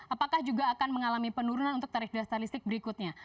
apakah juga akan mengalami penurunan untuk tarif dasar listrik berikutnya